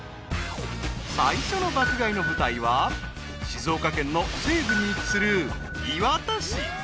［最初の爆買いの舞台は静岡県の西部に位置する］